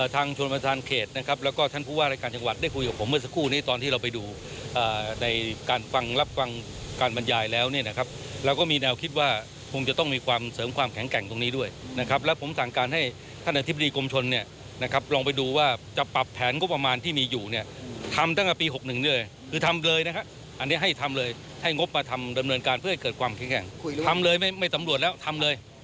ทำเลยไม่สำรวจแล้วทำเลย